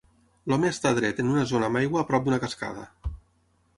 L'home està dret en una zona amb aigua a prop d'una cascada.